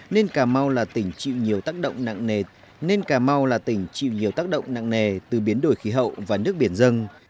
nên cà mau là tỉnh chịu nhiều tác động nặng nề từ biến đổi khí hậu và nước biển dân